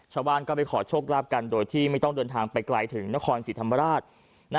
ชาวบ้านก็ไปขอโชคลาภกันโดยที่ไม่ต้องเดินทางไปไกลถึงนครศรีธรรมราช